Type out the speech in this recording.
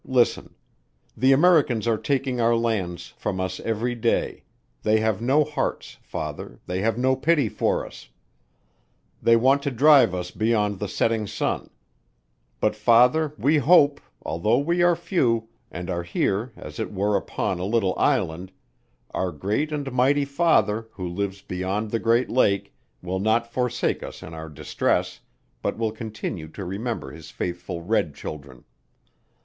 "Father Listen. The Americans are taking our lands from us every day, they have no hearts, Father, they have no pity for us. They want to drive us beyond the setting sun. But Father, we hope, although we are few, and are here as it were upon a little Island, our Great and Mighty Father, who lives beyond the Great Lake, will not forsake us in our distress, but will continue to remember his faithful red children.